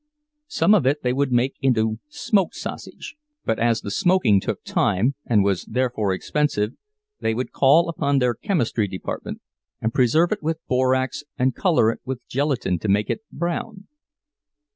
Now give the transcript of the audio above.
Some of it they would make into "smoked" sausage—but as the smoking took time, and was therefore expensive, they would call upon their chemistry department, and preserve it with borax and color it with gelatine to make it brown.